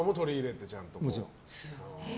もちろん。